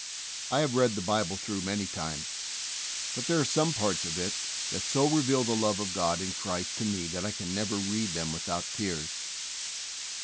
I have read the Bible through many times, but there are some parts of it that so reveal the love of God in Christ to me that I can never read them' without tears.